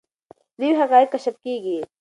نوي حقایق کشف کیږي.